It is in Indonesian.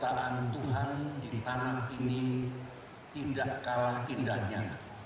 karena cerita tuhan di tanah ini tidak kalah indahnya